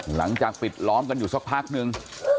หลังจากปิดล้อมกันอยู่สักพักนึง